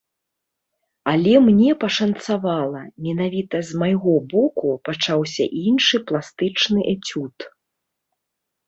Але мне пашанцавала, менавіта з майго боку пачаўся іншы пластычны эцюд.